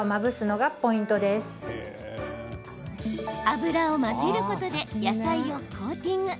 油を混ぜることで野菜をコーティング。